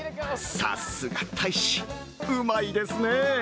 さすが大使、うまいですね。